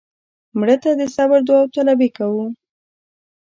مړه ته د صبر داوطلبي کوو